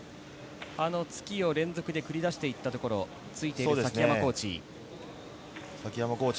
突きを連続で繰り出していったところ、ついている崎山コーチ。